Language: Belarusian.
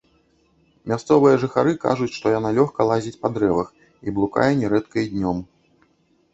Мясцовыя жыхары кажуць, што яна лёгка лазіць па дрэвах і блукае нярэдка і днём.